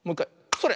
それ！